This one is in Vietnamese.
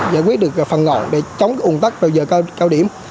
giải quyết được phần ngọn để chống cái ủng tắc vào giờ cao điểm